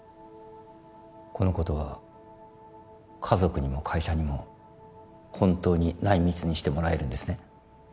このことは家族にも会社にも本当に内密にしてもらえるんですね